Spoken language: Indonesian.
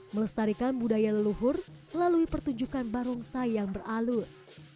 melestarikan budaya leluhur melalui pertunjukan barongsai yang beralur